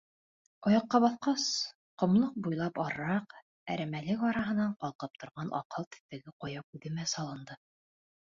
Аяҡҡа баҫҡас, ҡомлоҡ буйлап арыраҡ, әрәмәлек араһынан ҡалҡып торған аҡһыл төҫтәге ҡая күҙемә салынды.